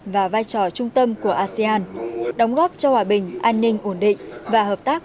và vai trò trung tâm của asean đóng góp cho hòa bình an ninh ổn định và hợp tác